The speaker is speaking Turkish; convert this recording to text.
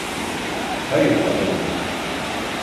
Hayır adamım.